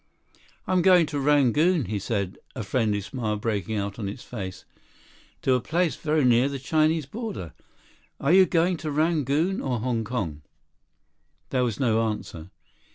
"I'm going to Rangoon," he said, a friendly smile breaking out on his face. "To a place very near the Chinese border. Are you going to Rangoon, or Hong Kong?" There was no answer.